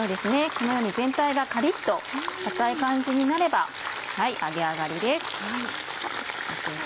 このように全体がカリっと硬い感じになれば揚げ上がりです。